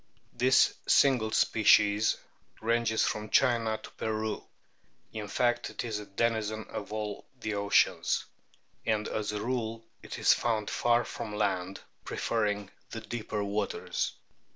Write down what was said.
This single species ranges from China to Peru, in fact it is a denizen of all the oceans ; and as a rule it is found far from land, preferring the deeper waters.